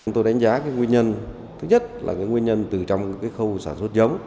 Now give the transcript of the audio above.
tôi đánh giá cái nguyên nhân thứ nhất là nguyên nhân từ trong khâu sản xuất giống